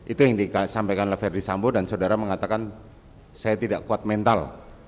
itu yang disampaikan oleh ferdis sambo dan saudara mengatakan saya tidak kuat mental